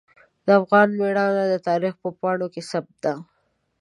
د افغان میړانه د تاریخ په پاڼو کې ثبت ده.